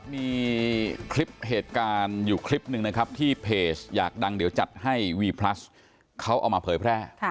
มีคลิปเหตุการณ์อยู่คลิปหนึ่งนะครับที่เพจอยากดังเดี๋ยวจัดให้วีพลัสเขาเอามาเผยแพร่